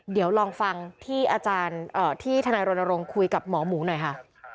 เดี๋ยวลองฟังที่อาจารย์ที่ทนายรณรงค์คุยกับหมอหมูหน่อยค่ะ